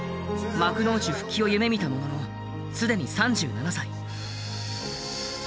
幕内復帰を夢みたもののすでに３７歳。